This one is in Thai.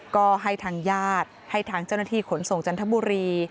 ก็ให้ทางญาติให้ทางเจ้าหน้าที่ขนส่งจันทบุรี